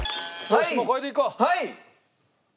はい！